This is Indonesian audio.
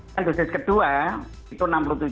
dan dosis kedua itu enam puluh tujuh